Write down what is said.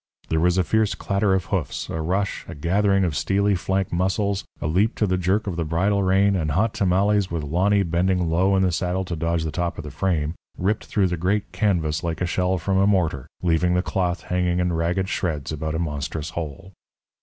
There was a fierce clatter of hoofs, a rush, a gathering of steely flank muscles, a leap to the jerk of the bridle rein, and Hot Tamales, with Lonny bending low in the saddle to dodge the top of the frame, ripped through the great canvas like a shell from a mortar, leaving the cloth hanging in ragged shreds about a monstrous hole.